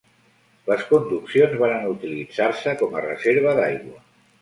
Les conduccions varen utilitzar-se com a reserva d'aigua.